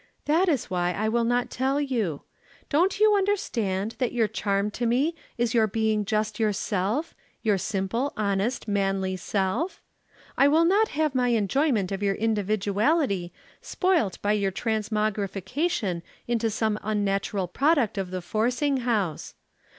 "That is why I will not tell you. Don't you understand that your charm to me is your being just yourself your simple, honest, manly self? I will not have my enjoyment of your individuality spoilt by your transmogrification into some unnatural product of the forcing house.